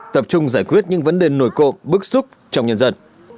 tập trung giải quyết những vấn đề nổi cộng bức xúc trong nhân dân